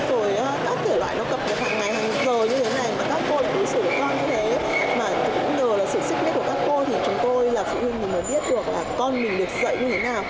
mà cũng ngờ là sự xích biết của các cô thì chúng tôi là phụ huynh mình mới biết được là con mình được dạy như thế nào